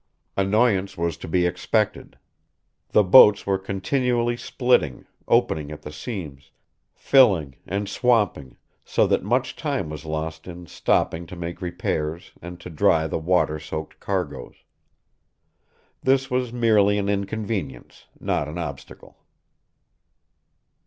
Annoyance was to be expected. The boats were continually splitting, opening at the seams, filling, and swamping, so that much time was lost in stopping to make repairs and to dry the water soaked cargoes. This was merely an inconvenience, not an obstacle.